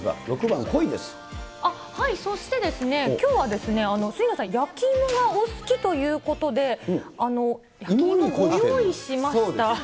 はい、そして、きょうは杉野さん、焼き芋がお好きということで、ご用意しました。